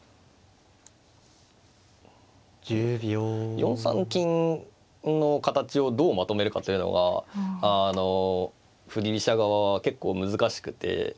４三金の形をどうまとめるかというのが振り飛車側は結構難しくて。